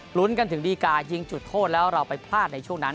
ลุ้นกันถึงดีการ์ยิงจุดโทษแล้วเราไปพลาดในช่วงนั้น